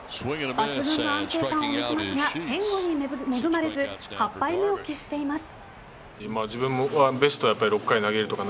抜群の安定感を見せますが援護に恵まれず８敗目を喫しています。